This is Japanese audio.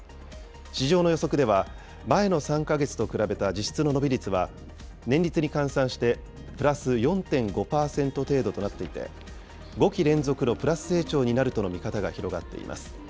市場の予測では、前の３か月と比べた実質の伸び率は年率に換算してプラス４．５％程度となっていて、５期連続のプラス成長になるとの見方が広がっています。